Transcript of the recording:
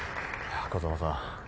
風間さん